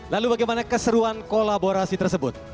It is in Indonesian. lalu bagaimana keseruan kolaborasi tersebut